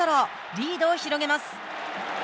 リードを広げます。